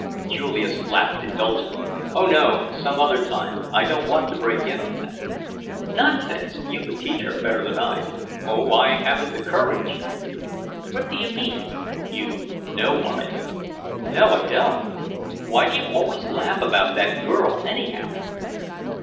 Julius laughed indulgently. "Oh, no! Some other time. I don't want to break in on that." "Nonsense! You could teach her better than I." "Oh, I haven't the courage!" "What do you mean?" "You know what I mean." "No, I don't. Why do you always laugh about that girl, anyhow?"